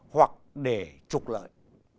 hoặc để trục lợi